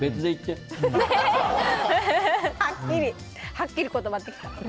はっきり断ってきた。